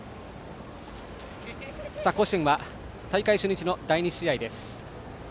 甲子園は大会初日の第２試合です。